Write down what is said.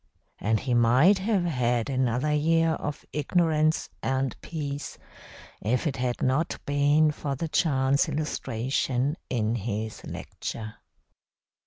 And he might have had another year of ignorance and peace if it had not been for the chance illustration in his lecture.